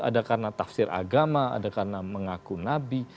ada karena tafsir agama ada karena mengaku nabi